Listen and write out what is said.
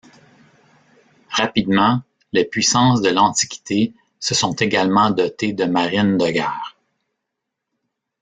Rapidement, les puissances de l'Antiquité se sont également dotées de marines de guerre.